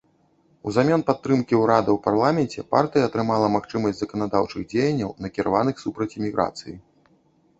Узамен падтрымкі ўрада ў парламенце, партыя атрымала магчымасць заканадаўчых дзеянняў накіраваных супраць іміграцыі.